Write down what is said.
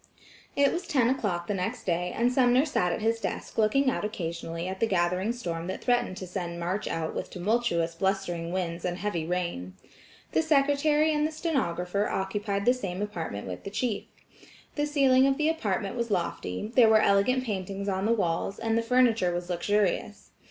It was ten o'clock the next day and Sumner sat at his desk looking out occasionally at the gathering storm that threatened to send March out with tumultuous blustering winds and heavy rain. The secretary and the stenographer occupied the same apartment with the chief. The ceiling of the apartment was lofty, there were elegant paintings on the walls, and the furniture was luxurious.